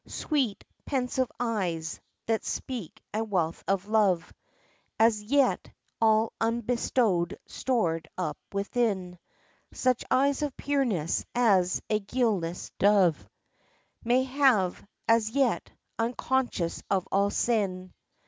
Sweet, pensive eyes, that speak a wealth of love As yet all unbestowed stored up within; Such eyes of pureness as a guileless dove May have, as yet unconscious of all sin.